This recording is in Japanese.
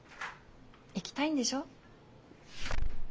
行きたいんでしょ？